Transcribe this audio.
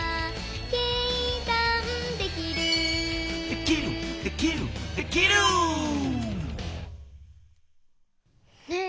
「計算できる」「できるできるできる」ねえ